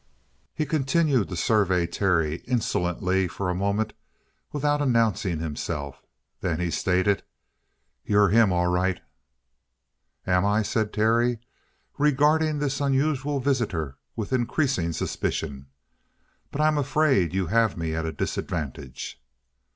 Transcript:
He continued to survey Terry insolently for a moment without announcing himself. Then he stated: "You're him, all right!" "Am I?" said Terry, regarding this unusual visitor with increasing suspicion. "But I'm afraid you have me at a disadvantage."